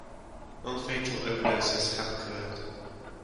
Non-fatal overdoses have occurred.